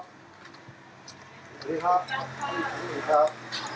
สวัสดีครับสวัสดีครับ